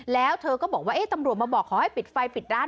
แล้วเธอก็บอกว่าตำรวจมาบอกขอให้ปิดไฟปิดร้าน